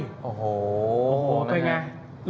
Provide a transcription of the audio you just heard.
โอ้โหเป็นอย่างไร